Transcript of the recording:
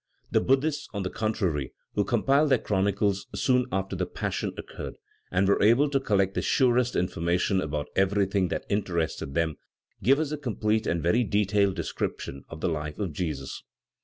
The Buddhists, on the contrary, who compiled their chronicles soon after the Passion occurred, and were able to collect the surest information about everything that interested them, give us a complete and very detailed description of the life of Jesus.